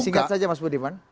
singkat saja mas budiman